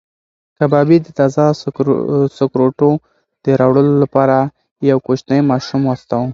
کبابي د تازه سکروټو د راوړلو لپاره یو کوچنی ماشوم واستاوه.